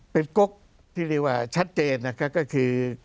เป็นก๊กที่เรียกว่าชัดเจนนะครับก็คือ